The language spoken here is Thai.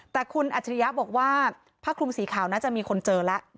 แต่คุณอัจฉริยะบอกว่าผ้าคลุมสีขาวน่าจะมีคนเจอแล้ว